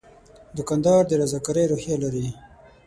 دوکاندار د رضاکارۍ روحیه لري.